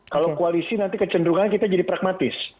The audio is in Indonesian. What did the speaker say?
kalau koalisi nanti kecenderungan kita jadi pragmatis